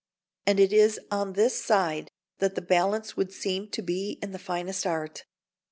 And it is on this side that the balance would seem to be in the finest art.